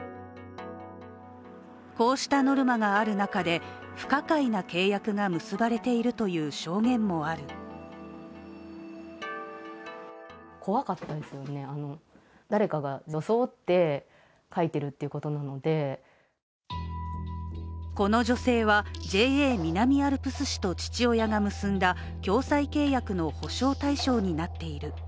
こうしたノルマがある中で不可解な契約が結ばれているという証言もあるこの女性はＪＡ南アルプス市と父親が結んだ共済契約の保障対象になっている。